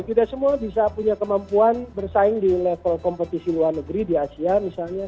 tidak semua bisa punya kemampuan bersaing di level kompetisi luar negeri di asia misalnya